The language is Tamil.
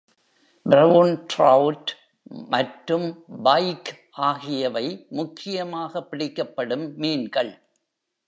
பிரவுன் ட்ரௌட் மற்றும் பைக் ஆகியவை முக்கியமாக பிடிக்கப்படும் மீன்கள்.